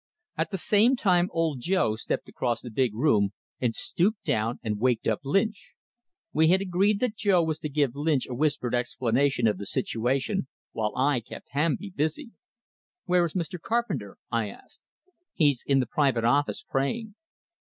At the same time Old Joe stepped across the big room, and stooped down and waked up Lynch. We had agreed that Joe was to give Lynch a whispered explanation of the situation, while I kept Hamby busy. "Where is Mr. Carpenter?" I asked. "He's in the private office, praying."